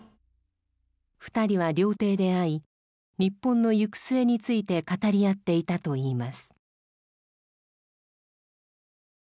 ２人は料亭で会い日本の行く末について語り合っていたといいます。